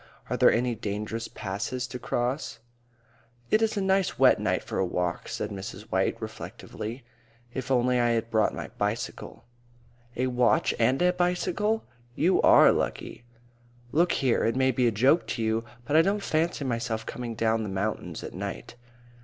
Are there any dangerous passes to cross?" "It's a nice wet night for a walk," said Miss White reflectively. "If only I had brought my bicycle." "A watch and a bicycle! You are lucky!" "Look here, it may be a joke to you, but I don't fancy myself coming down the mountains at night."